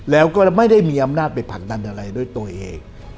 แล้วก็ไม่ได้มีอำนาจไปผลักดันอะไรด้วยตัวเอง